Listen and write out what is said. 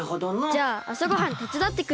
じゃああさごはんてつだってくる。